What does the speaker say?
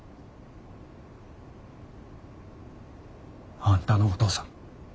あんたのお父さん